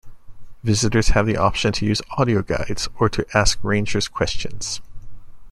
Visitors have the option to use audio guides or to ask Rangers questions.